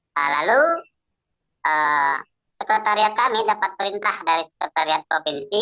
nah lalu sekretariat kami dapat perintah dari sekretariat provinsi